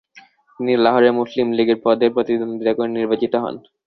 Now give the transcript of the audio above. তিনি লাহোরের মুসলিম লীগের পদে প্রতিদ্বন্দ্বিতা করে নির্বাচিত হন।